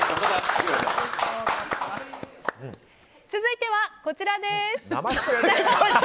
続いては、こちらです。